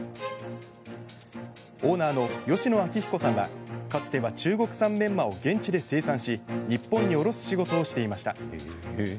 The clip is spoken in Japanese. オーナーの吉野秋彦さんはかつては中国産メンマを現地で生産し日本に卸す仕事をしていました。